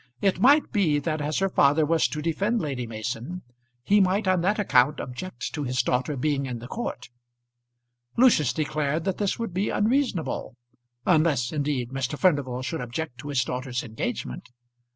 It might be that as her father was to defend Lady Mason, he might on that account object to his daughter being in the court. Lucius declared that this would be unreasonable, unless indeed Mr. Furnival should object to his daughter's engagement.